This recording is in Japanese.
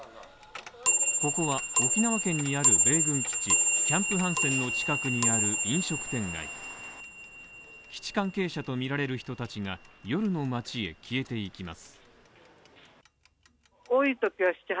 ここは、沖縄県にある米軍基地キャンプ・ハンセンの近くにある飲食店街、基地関係者とみられる人たちが夜の街へ消えていきます。